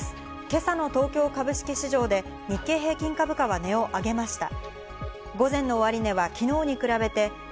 今朝の東京株式市場で日経平均株価は値を上げました。